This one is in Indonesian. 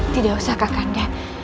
tidak usah kakanda